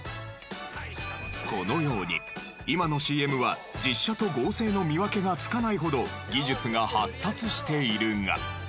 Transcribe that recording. このように今のＣＭは実写と合成の見分けがつかないほど技術が発達しているが。